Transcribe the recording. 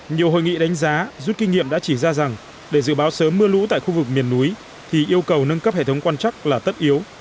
nhiều hội nghị đánh giá rút kinh nghiệm đã chỉ ra rằng để dự báo sớm mưa lũ tại khu vực miền núi thì yêu cầu nâng cấp hệ thống quan chắc là tất yếu